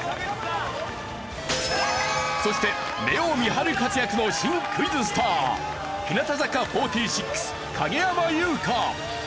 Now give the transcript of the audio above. そして目を見張る活躍の新クイズスター日向坂４６影山優佳。